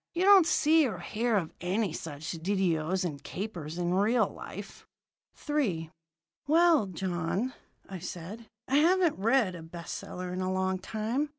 You don't see or hear of any such didoes and capers in real life." III "Well, John," said I, "I haven't read a best seller in a long time.